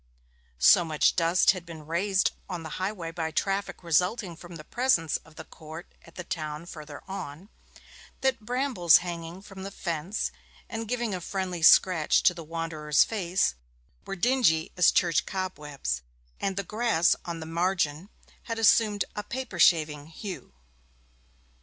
So much dust had been raised on the highway by traffic resulting from the presence of the Court at the town further on, that brambles hanging from the fence, and giving a friendly scratch to the wanderer's face, were dingy as church cobwebs; and the grass on the margin had assumed a paper shaving hue.